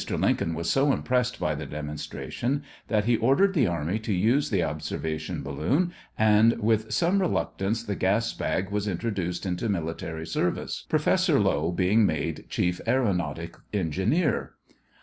Lincoln was so impressed by the demonstration that he ordered the army to use the observation balloon, and so with some reluctance the gas bag was introduced into military service, Professor Lowe being made chief aëronautic engineer.